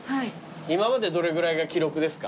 今までどれぐらいが記録ですか？